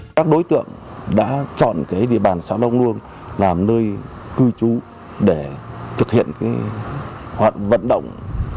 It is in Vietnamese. các đối tượng đã chọn địa bàn xã đông luông làm nơi cư trú để thực hiện vận động